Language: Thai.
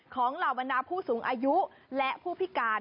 เหล่าบรรดาผู้สูงอายุและผู้พิการ